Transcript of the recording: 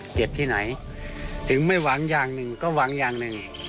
เจ็บที่ไหนถึงไม่หวังอย่างหนึ่งก็หวังอย่างหนึ่ง